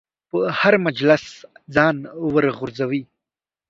په هر مجلس ځان ورغورځوي.